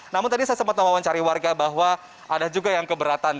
namun tadi saya sempat mewawancari warga bahwa ada juga yang keberatan